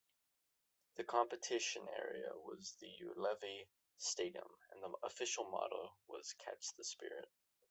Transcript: The competition arena was the Ullevi Stadium and the official motto "Catch the Spirit".